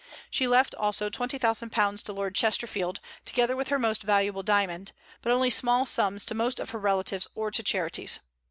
She left also £20,000 to Lord Chesterfield, together with her most valuable diamond; but only small sums to most of her relatives or to charities.